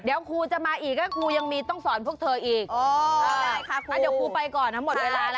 แต่ครูว่าครูหมดเวลาแล้วอ้าว